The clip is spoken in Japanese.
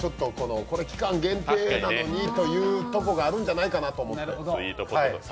これ期間限定なのにというところがあるんじゃないかと思って。